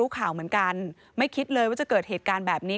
ข่าวเหมือนกันไม่คิดเลยว่าจะเกิดเหตุการณ์แบบนี้